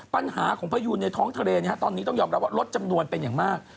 ปัญหาของพยูนในท้องทะเลตอนนี้ต้องยอมรับว่าลดจำนวนเป็นอย่างมาก